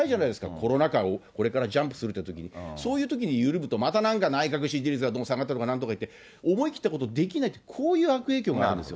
コロナ禍をこれからジャンプするというときに、そういうときに緩むと、またなんか内閣支持率がどうも下がったとかなんとかいって、思い切ったことできないという、こういう悪影響があるんですよ。